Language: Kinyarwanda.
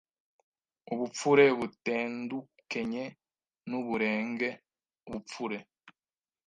Ubupfure butendukenye n’uburenge b u pfure